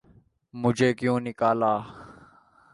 'مجھے کیوں نکالا؟